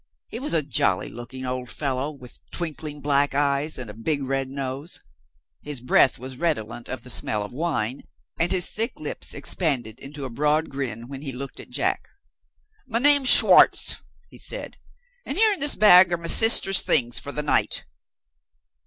He was a jolly looking old fellow with twinkling black eyes and a big red nose. His breath was redolent of the smell of wine, and his thick lips expanded into a broad grin, when he looked at Jack. "My name's Schwartz," he said; "and here in this bag are my sister's things for the night."